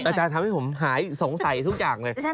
อาจารย์ทำให้ผมหายสงสัยทุกอย่างเลย